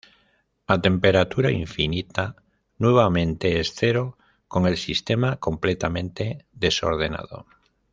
A temperatura infinita, nuevamente es cero, con el sistema completamente desordenado.